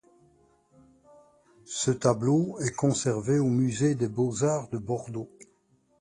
Ce tableau est conservé au Musée des beaux-arts de Bordeaux.